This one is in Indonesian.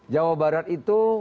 jawa barat itu